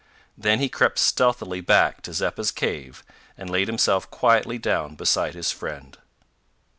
Then he crept stealthily back to Zeppa's cave, and laid himself quietly down beside his friend.